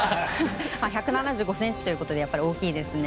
１７５ｃｍということでやっぱり大きいですね。